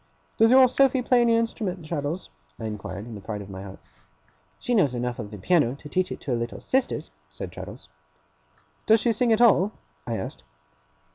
'Does your Sophy play on any instrument, Traddles?' I inquired, in the pride of my heart. 'She knows enough of the piano to teach it to her little sisters,' said Traddles. 'Does she sing at all?' I asked.